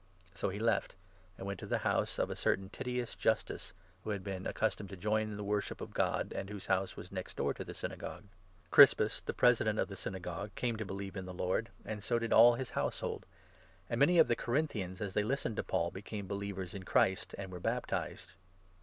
So he left, and went to the house of a certain Titius Justus, who 7 had been accustomed to join in the worship of God, and whose house was next door to the Synagogue. Crispus, the 8 President of the Synagogue, came to believe in the Lord, and so did all his household ; and many of the Corinthians, as they listened to Paul, became believers in Christ and were baptized.